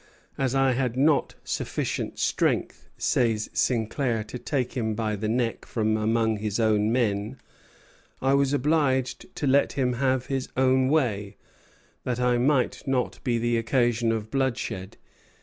"As I had not sufficient strength," says Sinclair, "to take him by the neck from among his own men, I was obliged to let him have his own way, that I might not be the occasion of bloodshed."